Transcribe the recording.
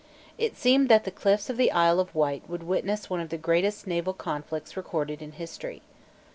It seemed that the cliffs of the Isle of Wight would witness one of the greatest naval conflicts recorded in history.